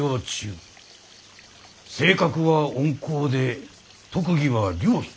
性格は温厚で特技は料理。